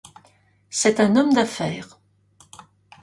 C'est un homme d'affaires.